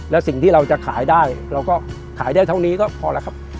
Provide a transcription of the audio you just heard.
แล้วสิ่งที่เราจะขายได้เราก็ขายได้เท่านี้ก็พอแล้วครับ